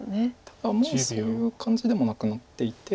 ただもうそういう感じでもなくなっていて。